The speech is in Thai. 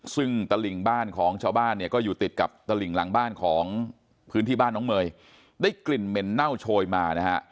ซึ่งตลิ่งบ้านของชาวบ้านเนี่ยก็อยู่ติดกับตลิ่งหลังบ้านของพื้นที่บ้านน้องเมย์ได้กลิ่นเหม็นเน่าโชยมานะฮะ